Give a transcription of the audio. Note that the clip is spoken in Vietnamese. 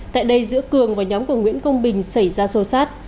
tại đây giữa cường và nhóm của nguyễn công bình xảy ra sô sát